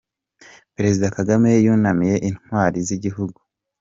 Perezida Kagame yunamiye intwari z’igihugu